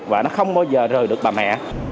và nó không bao giờ rời được bà mẹ